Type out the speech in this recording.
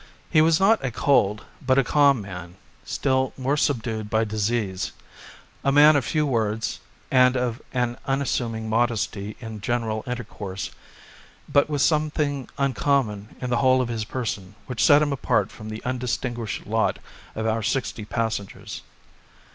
He was not a cold but a calm man, still more subdued by disease a man of few words and of an unassuming modesty in general intercourse, but with something uncommon in the whole of his person which set him apart from the undistinguished lot of our sixty passengers.